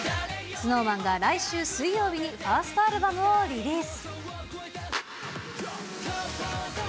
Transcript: ＳｎｏｗＭａｎが来週水曜日にファーストアルバムをリリース。